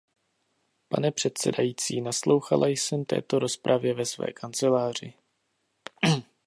Pane předsedající, naslouchala jsem této rozpravě ve své kanceláři.